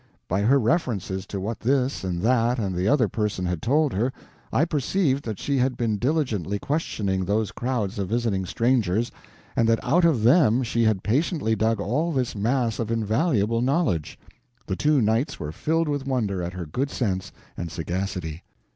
By her references to what this and that and the other person had told her, I perceived that she had been diligently questioning those crowds of visiting strangers, and that out of them she had patiently dug all this mass of invaluable knowledge. The two knights were filled with wonder at her good sense and sagacity.